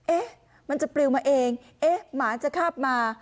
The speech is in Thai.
เอ๊ะมันจะปลิวมาเองเอ๊ะหมาจะคาบมา